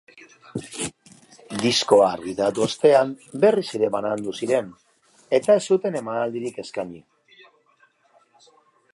Diskoa argitaratu ostean berriz ere banandu ziren eta ez zuten emanaldirik eskaini.